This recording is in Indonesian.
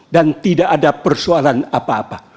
dan tidak ada persoalan apa apa